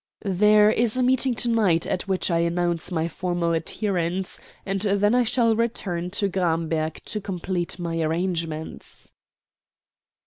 "There is a meeting to night at which I announce my formal adherence, and then I shall return to Gramberg to complete my arrangements."